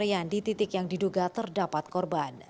dan pencarian di titik yang diduga terdapat korban